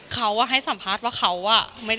เขาให้สัมภาษณ์ว่าเขาอ่ะ